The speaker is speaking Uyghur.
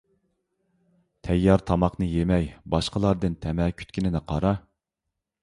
تەييار تاماقنى يېمەي، باشقىلاردىن تەمە كۈتكىنىنى قارا!